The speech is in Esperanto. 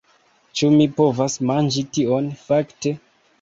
Ĉu mi povas manĝi tion, fakte?